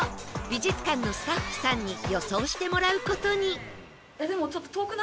美術館のスタッフさんに予想してもらう事に